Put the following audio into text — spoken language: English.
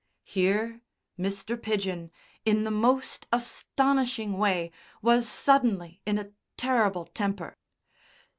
Here Mr. Pidgen, in the most astonishing way, was suddenly in a terrible temper.